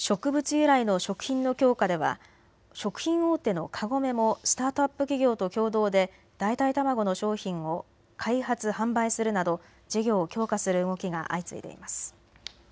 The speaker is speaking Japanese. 由来の食品の強化では食品大手のカゴメもスタートアップ企業と共同で代替卵の商品を開発・販売するなど事業を強化する動きが相次いでいます。